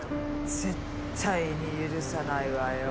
絶対に許さないわよ。